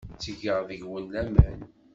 Ttgeɣ deg-wen laman.